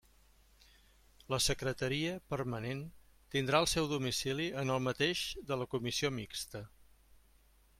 La Secretaria permanent tindrà el seu domicili en el mateix de la Comissió mixta.